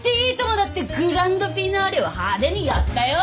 だってグランドフィナーレは派手にやったよ。